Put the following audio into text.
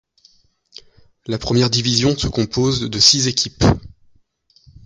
La première division se compose de six équipes.